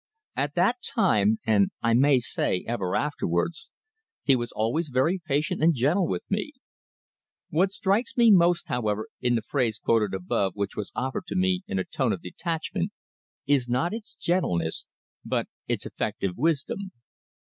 At that time, and I may say, ever afterwards, he was always very patient and gentle with me. What strikes me most however in the phrase quoted above which was offered to me in a tone of detachment is not its gentleness but its effective wisdom.